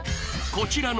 こちらの